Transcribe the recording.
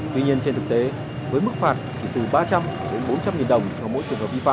tuy nhiên trên thực tế với mức phạt chỉ từ ba trăm linh đến bốn trăm linh nghìn đồng cho mỗi trường hợp vi phạm